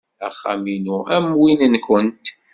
Axxam-inu am win-nwent.